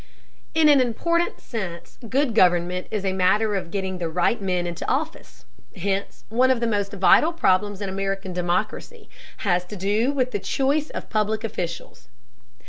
In an important sense, good government is a matter of getting the right men into office, hence one of the most vital problems in American democracy has to do with the choice of public officials.